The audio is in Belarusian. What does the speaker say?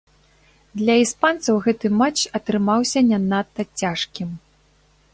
Для іспанцаў гэты матч атрымаўся не надта цяжкім.